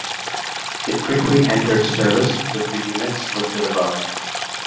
It quickly entered service with the units listed above.